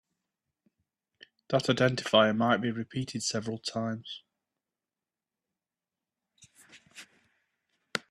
That identifier might be repeated several times.